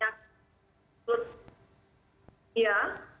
yang sudah ya